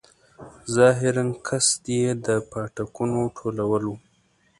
ظاهراً قصد یې د پاټکونو ټولول وو.